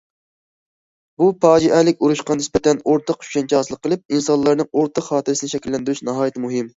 بۇ پاجىئەلىك ئۇرۇشقا نىسبەتەن ئورتاق چۈشەنچە ھاسىل قىلىپ، ئىنسانلارنىڭ ئورتاق خاتىرىسىنى شەكىللەندۈرۈش ناھايىتى مۇھىم.